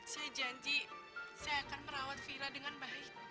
saya janji saya akan merawat villa dengan baik